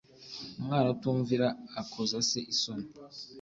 umwana utumvira akoza se isoni